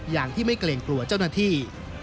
อย่างที่ไม่เกรงกลัวเจ้าหน้าที่